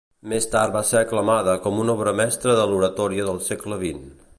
Més tard va ser aclamada com una obra mestra de l'oratòria del segle XX.